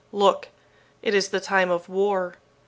"Look! It is the time of war.